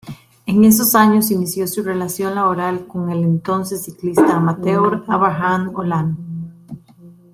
En esos años inició su relación laboral con el entonces ciclista amateur Abraham Olano.